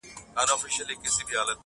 هغه خو ما د خپل زړگي په وينو خـپـله كړله.